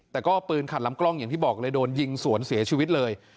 แต่ก็ปืนขัดลำกล้องอย่างที่บอกเลยโดนยิงสวนเสียชีวิตเลย